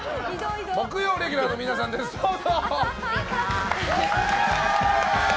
木曜レギュラーの皆さんですどうぞ！